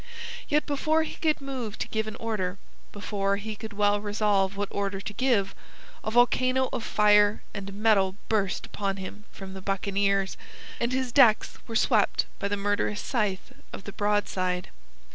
Yet before he could move to give an order, before he could well resolve what order to give, a volcano of fire and metal burst upon him from the buccaneers, and his decks were swept by the murderous scythe of the broadside.